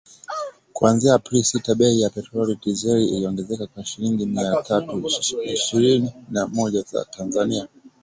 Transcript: kuanzia Aprili sita bei ya petroli na dizeli iliongezeka kwa shilingi mia tatu ishirini na moja za Tanzania